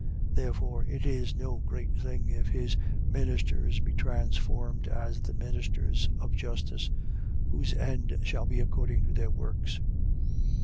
11:15. Therefore it is no great thing if his ministers be transformed as the ministers of justice, whose end shall be according to their works.